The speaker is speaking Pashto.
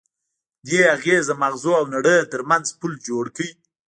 دې اغېز د ماغزو او نړۍ ترمنځ پُل جوړ کړ.